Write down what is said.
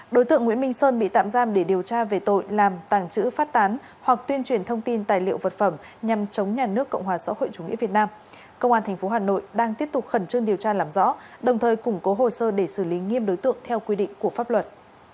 đối tượng nguyễn minh sơn bị tạm giam để điều tra về tội làm tàng trữ phát tán hoặc tuyên truyền thông tin tài liệu vật phẩm nhằm chống nhà nước cộng hòa xã hội chủ nghĩa việt nam công an tp hà nội đang tiếp tục khẩn trương điều tra làm rõ đồng thời củng cố hồ sơ để xử lý nghiêm đối tượng theo quy định của pháp luật